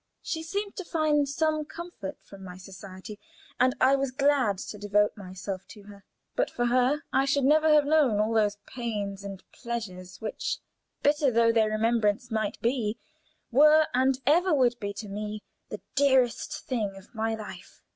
She seemed to find some comfort from my society, and I was glad to devote myself to her. But for her I should never have known all those pains and pleasures which, bitter though their remembrance might be, were, and ever would be to me, the dearest thing of my life.